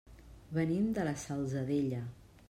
Venim de la Salzadella.